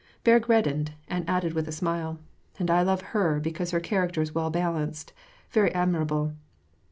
Berg reddened, and added with a smile, " And I love her because her character is well balanced — very admirable.